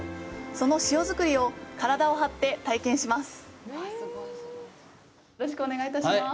その塩作りを体を張って体験します！